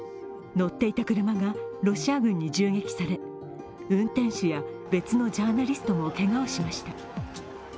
乗っていた車がロシア軍に銃撃され運転手や別のジャーナリストもけがをしました。